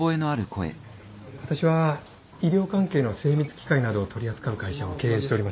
私は医療関係の精密機械などを取り扱う会社を経営しております